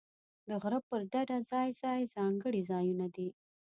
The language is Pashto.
د غره پر ډډه ځای ځای ځانګړي ځایونه دي.